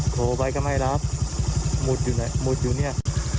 โทรไปก็ไม่รับหมุดอยู่ไหนหมุดอยู่เนี่ย